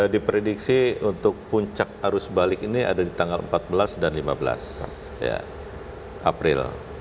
diprediksi untuk puncak arus balik ini ada di tanggal empat belas dan lima belas april